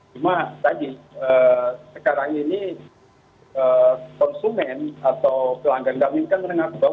cuma tadi sekarang ini konsumen atau pelanggan kami kan mendengar sebab